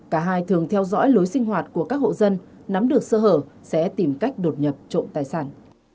cả hai thường theo dõi lối sinh hoạt của các hộ dân nắm được sơ hở sẽ tìm cách đột nhập trộm tài sản